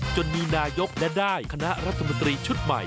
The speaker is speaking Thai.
จนมีนายกและได้คณะรัฐมนตรีชุดใหม่